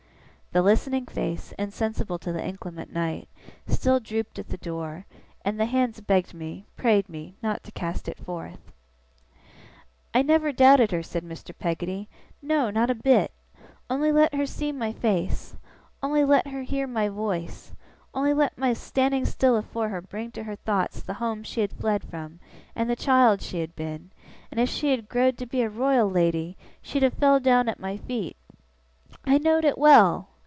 The listening face, insensible to the inclement night, still drooped at the door, and the hands begged me prayed me not to cast it forth. 'I never doubted her,' said Mr. Peggotty. 'No! Not a bit! On'y let her see my face on'y let her heer my voice on'y let my stanning still afore her bring to her thoughts the home she had fled away from, and the child she had been and if she had growed to be a royal lady, she'd have fell down at my feet! I know'd it well!